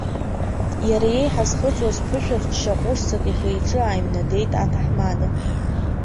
Иара иеиҳа зхыҵуаз ԥышәырчча ҟәышӡак ихы-иҿы ааимнадеит аҭаҳмада.